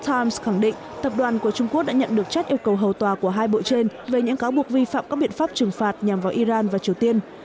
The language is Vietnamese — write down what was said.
times khẳng định tập đoàn của trung quốc đã nhận được chất yêu cầu hầu tòa của hai bộ trên về những cáo buộc vi phạm các biện pháp trừng phạt nhằm vào iran và triều tiên